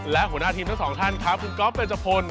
และหัวหน้าทีมทั้งสองท่านครับคุณก๊อฟเบนจพล